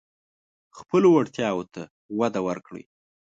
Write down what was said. خپلو وړتیاوو ته وده ورکړئ.